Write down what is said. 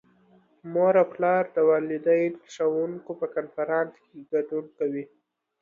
مور او پلار د والدین - ښوونکو په کنفرانس کې ګډون کوي.